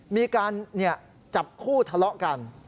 มีการจับคู่ทะเลาะกัน